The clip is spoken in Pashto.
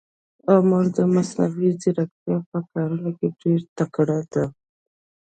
عمر د مصنوي ځیرکتیا په کارونه کې ډېر تکړه ده.